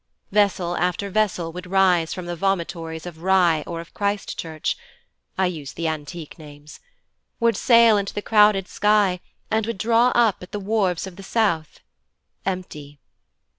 Vessel after vessel would rise from the vomitories of Rye or of Christchurch (I use the antique names), would sail into the crowded sky, and would draw up at the wharves of the south empty.